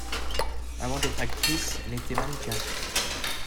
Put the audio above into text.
Avant d'être actrice, elle était mannequin.